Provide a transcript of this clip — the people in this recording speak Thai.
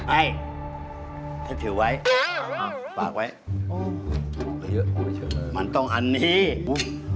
ไอ้ถึงถือไว้ฝากไว้มันต้องอันนี้โอ้โหพ่อ